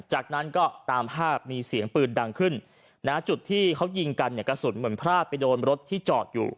จากนั้นก็ตามภาพมีเสียงปืนดังขึ้นนะจุดที่เขายิงกันเนี่ยกระสุนเหมือนพลาดไปโดนรถที่จอดอยู่